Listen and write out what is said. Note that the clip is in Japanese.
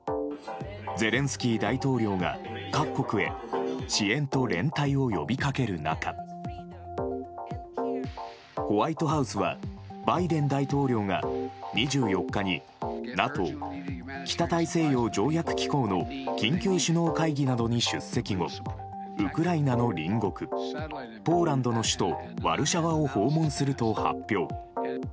ゼレンスキー大統領が、各国へ支援と連帯を呼びかける中ホワイトハウスはバイデン大統領が、２４日にＮＡＴＯ・北大西洋条約機構の緊急首脳会議などに出席後ウクライナの隣国ポーランドの首都ワルシャワを訪問すると発表。